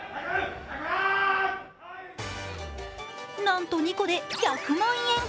なんと２個で１００万円。